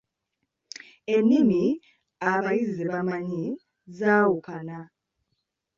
Ennimi abayizi ze bamanyi zaawukana.